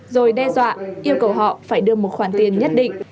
rồi đe dọa yêu cầu họ phải đưa một khoản tiền nhất định